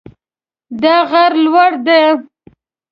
دا غر لوړ ده